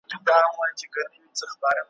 زما په غزل کي لکه شمع هره شپه لګېږې `